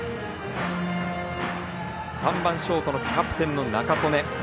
３番ショートキャプテン仲宗根。